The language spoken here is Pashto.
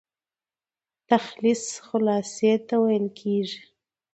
تلخیص خلاصې ته ويل کیږي.